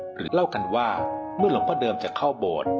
หรือเล่ากันว่าเมื่อหลวงพ่อเดิมจะเข้าโบสถ์